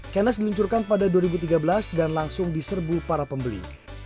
kenas diluncurkan pada dua ribu tiga belas dan langsung diserbu para pembeli